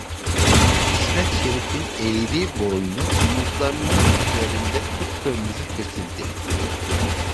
İsmet Şerif’in eğri boynu omuzlarının üzerinde kıpkırmızı kesildi.